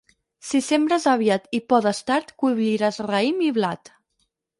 Si sembres aviat i podes tard, colliràs raïm i blat.